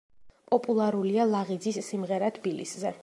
პოპულარულია ლაღიძის „სიმღერა თბილისზე“.